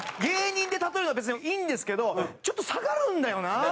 芸人で例えるのは別にいいんですけどちょっと下がるんだよな。